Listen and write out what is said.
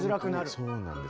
そうなんです。